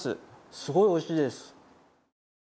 すごいおいしいです。